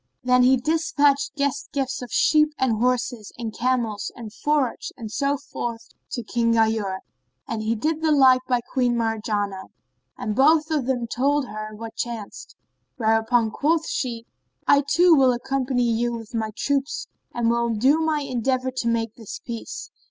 Then he despatched guest gifts of sheep and horses and camels and forage and so forth to King Ghayur, and did the like by Queen Marjanah; and both of them told her what chanced; whereupon quoth she, "I too will accompany you with my troops and will do my endeavour to make this peace."